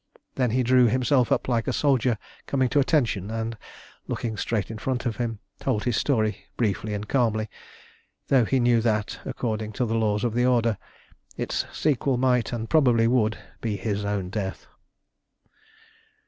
Then he drew himself up like a soldier coming to attention, and, looking straight in front of him, told his story briefly and calmly, though he knew that, according to the laws of the Order, its sequel might, and probably would, be his own death.